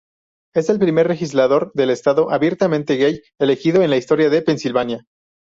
Es el primer legislador del estado abiertamente gay elegido en la historia de Pensilvania.